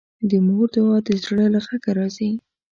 د مور دعا د زړه له غږه راځي